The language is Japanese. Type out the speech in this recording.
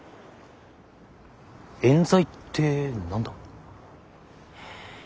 えん罪って何だ？